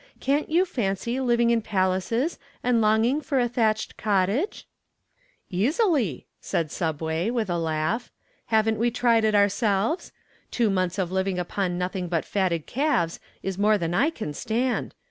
Can't you fancy living in palaces and longing for a thatched cottage?" "Easily," answered "Subway," with a laugh. "Haven't we tried it ourselves? Two months of living upon nothing but fatted calves is more than I can stand.